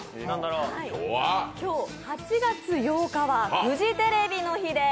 今日、８月８日はフジテレビの日です。